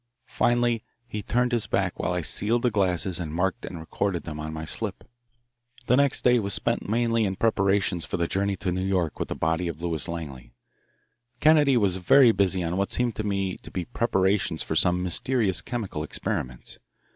Finally he turned his back while I sealed the glasses and marked and recorded them on my slip. The next day was spent mainly in preparations for the journey to New York with the body of Lewis Langley. Kennedy was very busy on what seemed to me to be preparations for some mysterious chemical experiments.